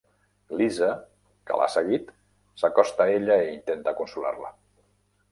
Lisa, que l'ha seguit, s'acosta a ella i intenta consolar-la.